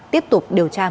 tiếp tục điều tra mở rộng